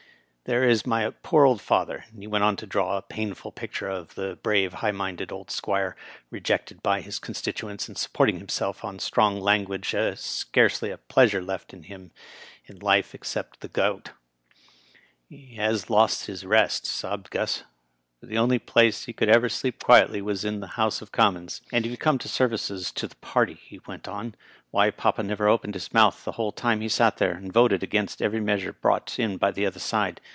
There is my poor old father," and he went on to draw a painful pict ure of the brave, high minded old Squire, rejected by his constituents, and supporting himself on strong lan guage, with scarcely a pleasure left him in life except Digitized by VjOOQIC RILET, M.P. 169 the gout. "He lias lost his rest," sobbed Gns, " for the only place he could ever sleep quietly in was the House of Commons. And if you come to services to the par ty," he went on, " why, papa never opened his mouth the whole time he sat here, and voted against every measure brought in by the other side.